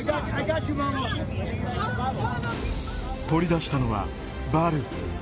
取り出したのは、バール。